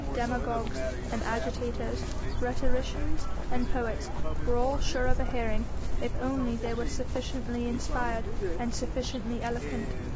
Demagogues and agitators, rhetoricians and poets were all sure of a hearing, if only they were sufficiently inspired and sufficiently eloquent.